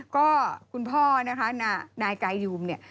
ก็คุณพ่อนะคะนายกายูมเนี่ย